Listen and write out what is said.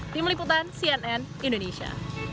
tim liputan cnn indonesia